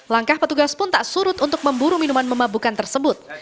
langkah petugas pun tak surut untuk memburu minuman memabukan tersebut